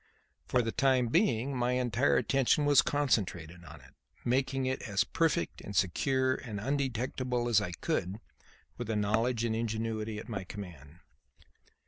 For the time being, my entire attention was concentrated on it, making it as perfect and secure and undetectable as I could with the knowledge and ingenuity at my command.